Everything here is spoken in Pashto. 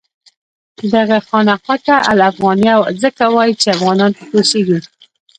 دغه خانقاه ته الافغانیه ځکه وایي چې افغانان پکې اوسېږي.